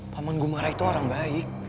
pak manggumara itu orang baik